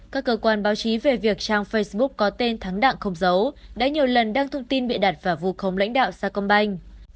các cơ quan báo chí về việc trang facebook có tên thắng đặng không giấu đã nhiều lần đăng thông tin bị đặt vào vụ khống lãnh đạo sa công banh